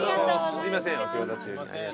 すいませんお仕事中に。